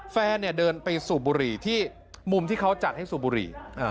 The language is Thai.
แฟนเดินไปสูบบุหรี่ที่มุมที่เขาจัดให้สูบบุหรี่